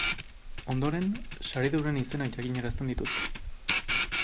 Ondoren, saridunen izenak jakinarazten dituzte.